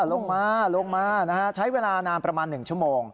ลงมาลงมาใช้เวลานานประมาณ๑ชั่วโมง